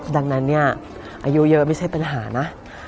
ดังนั้นเนี่ยอายุเยอะไม่ใช่ปัญหานะ